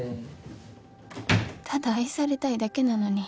ただ愛されたいだけなのに